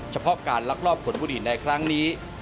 เฉพาะการลักลอบขนบุหรี่ในครั้งนี้